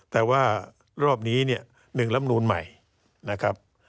แต่ว่ารอบนี้๑ลำนูลใหม่นะครับ